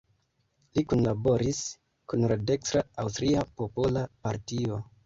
Li kunlaboris kun la dekstra Aŭstria Popola Partio.